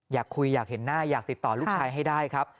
อยากคุยอยากเห็นหน้าอยากติดต่อลูกชายให้ได้ครับ